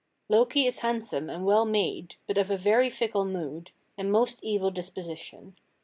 Loki is handsome and well made, but of a very fickle mood, and most evil disposition.